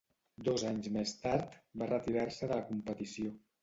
Dos anys més tard, va retirar-se de la competició.